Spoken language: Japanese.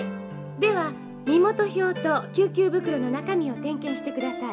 では身元票と救急袋の中身を点検してください。